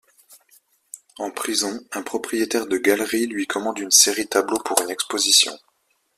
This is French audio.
En prison, un propriétaire de galerie lui commande une série tableaux pour une exposition.